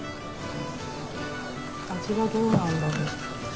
味はどうなんだろう？